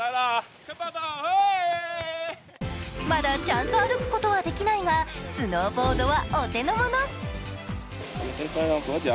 まだちゃんと歩くことはできないが、スノーボードはお手の物。